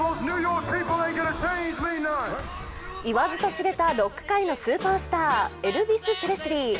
言わずと知れたロック界のスーパースター、エルヴィス・プレスリー。